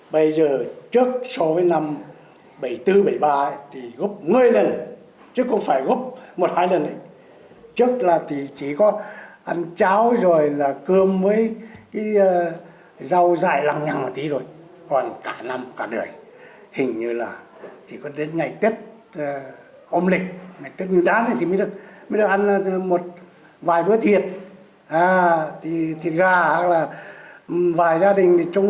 bây giờ ăn một vài bữa thịt thịt gà hoặc là vài gia đình chung nhau thịt một con nướt thôi